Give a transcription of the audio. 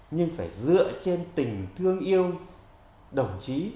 nhưng phải dựa trên tình thương yêu đồng chí